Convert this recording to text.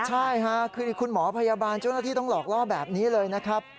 ใช่ค่ะคือคุณหมอพยาบาลเจ้าหน้าที่ต้องหลอกล่อแบบนี้เลยนะครับ